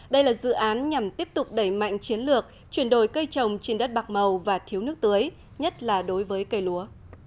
đây là dự án nhằm tiếp tục đẩy mạnh chiến lược chuyển đổi cây trồng trên đất bạc màu và thiếu nước tưới nhất là đối với cây lúa